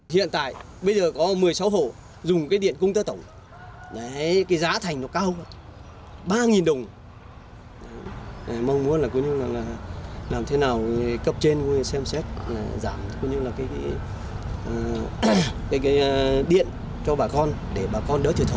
hiện tại bây giờ có một mươi sáu hộ dùng cái điện công tơ tổng đấy cái giá thành nó cao ba đồng